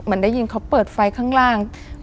เหมือนได้ยินเขาเปิดไฟข้างล่างอืม